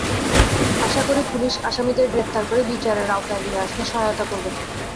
আশা করি পুলিশ আসামিদের গ্রেপ্তার করে বিচারের আওতায় নিয়ে আসতে সহায়তা করবে।